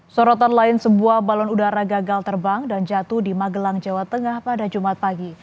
sorotan lain sebuah balon udara gagal terbang dan jatuh di magelang jawa tengah pada jumat pagi